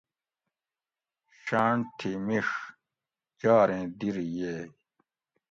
شاۤنٹ تھی مِیڛ جاریں دِر ییگ